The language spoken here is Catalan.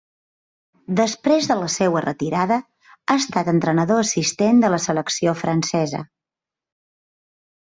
Després de la seua retirada, ha estat entrenador assistent de la selecció francesa.